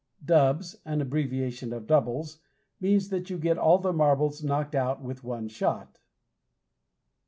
Dubs, an abbreviation of "doubles," means that you get all the marbles knocked out with one shot.